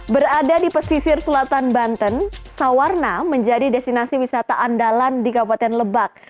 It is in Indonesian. berada di pesisir selatan banten sawarna menjadi destinasi wisata andalan di kabupaten lebak